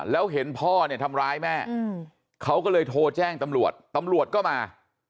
แล้วเห็นพ่อเนี่ยทำร้ายแม่เขาก็เลยโทรแจ้งตำรวจตำรวจก็มา